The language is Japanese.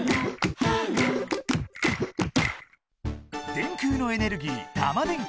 電空のエネルギータマ電Ｑ。